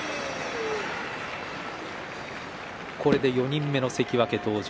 これで４人目の関脇登場。